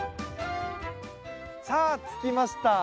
さあ、着きました。